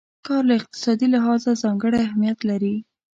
کار له اقتصادي لحاظه ځانګړی اهميت لري.